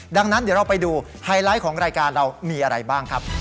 ดังนั้นเดี๋ยวเราไปดูไฮไลท์ของรายการเรามีอะไรบ้างครับ